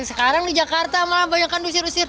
iya sekarang di jakarta malah banyak kan dusir dusir